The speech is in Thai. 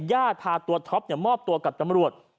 ยาดพาตัวท็อปเนี่ยมอบตัวกับตำรวจ